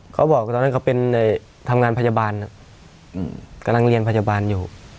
ตอนนั้นเขาเป็นทำงานพยาบาลกำลังเรียนพยาบาลอยู่